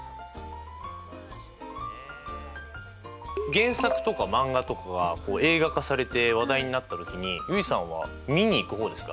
原作とか漫画とかが映画化されて話題になった時に結衣さんはみに行く方ですか？